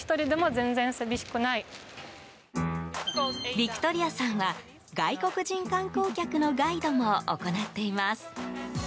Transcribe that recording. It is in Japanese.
ヴィクトリアさんは外国人観光客のガイドも行っています。